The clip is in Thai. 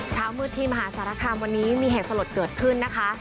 เช้ามืดที่มหาสารคามวันนี้มีเหตุสลดเกิดขึ้นนะคะ